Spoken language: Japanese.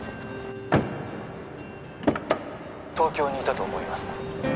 ☎東京にいたと思います